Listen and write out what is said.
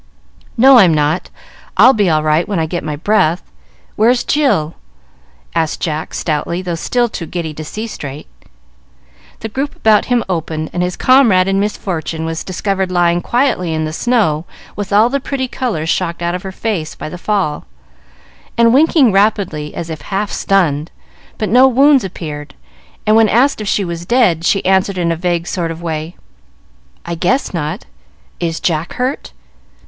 "No, I'm not. I'll be all right when I get my breath. Where's Jill?" asked Jack, stoutly, though still too giddy to see straight. The group about him opened, and his comrade in misfortune was discovered lying quietly in the snow with all the pretty color shocked out of her face by the fall, and winking rapidly, as if half stunned. But no wounds appeared, and when asked if she was dead, she answered in a vague sort of way, "I guess not. Is Jack hurt?"